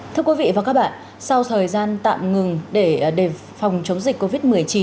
thưa quý vị và các bạn sau thời gian tạm ngừng để phòng chống dịch covid một mươi chín